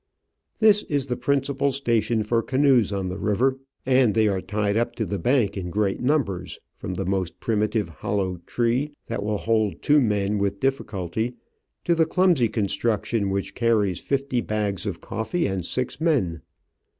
This is the principal station for canoes on the river, and they are tied up to the bank in great numbers, from the most primitive hollow tree that will hold two men with dif ficulty, to the clumsy construction which car ries fifty bags of coffee and six men.